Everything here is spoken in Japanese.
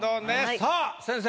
さあ先生